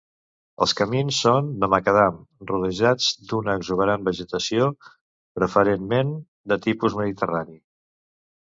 Els camins són de macadam, rodejats d'una exuberant vegetació, preferentment de tipus mediterrani.